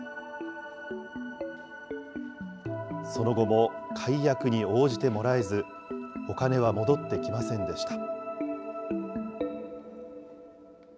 その後も解約に応じてもらえず、お金は戻ってきませんでした。